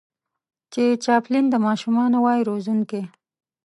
چې چاپلين د ماشومانو وای روزونکی